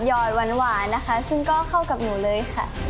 อดหวานนะคะซึ่งก็เข้ากับหนูเลยค่ะ